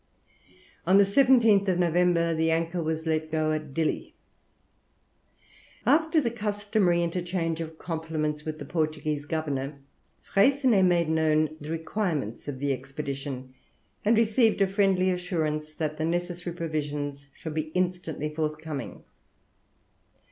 On the 17th of November the anchor was let go at Dili. After the customary interchange of compliments with the Portuguese governor, Freycinet made known the requirements of the expedition, and received a friendly assurance that the necessary provisions should be instantly forthcoming.